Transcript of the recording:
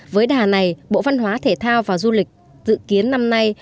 với đà này bộ văn hóa thể thao và du lịch dự kiến năm nay